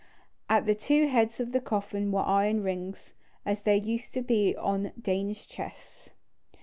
At the two heads of the coffin were iron rings, as there used to be on Danish chests.